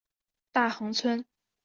大衡村。